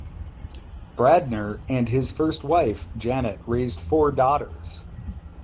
Bradner and his first wife Janet raised four daughters.